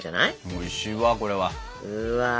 おいしいわこれは。最高。